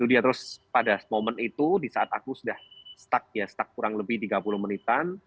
dia terus pada momen itu di saat aku sudah stuck ya stuck kurang lebih tiga puluh menitan